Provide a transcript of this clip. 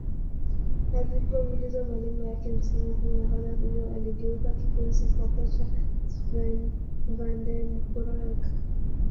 Alipoulizwa malengo yake msimu huu nahodha huyo aliyegeuka kipenzi kwa kocha Sven Vanden broeck